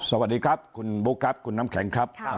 สวัสดีครับคุณบุ๊คครับคุณน้ำแข็งครับ